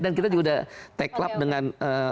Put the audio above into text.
dan kita juga udah tech club dengan